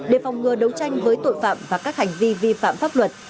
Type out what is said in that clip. để phòng ngừa đấu tranh với tội phạm và các hành vi vi phạm pháp luật